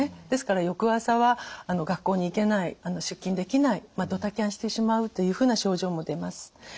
ですから翌朝は学校に行けない出勤できないドタキャンしてしまうというふうな症状も出ます。